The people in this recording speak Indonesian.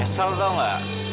esel tau gak